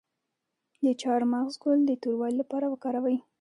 د چارمغز ګل د توروالي لپاره وکاروئ